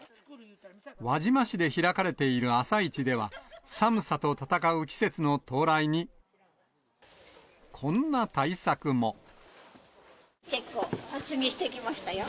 輪島市で開かれている朝市では、寒さと闘う季節の到来に、こんな結構、厚着してきましたよ。